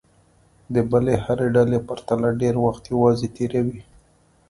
د بلې هرې ډلې پرتله ډېر وخت یوازې تېروي.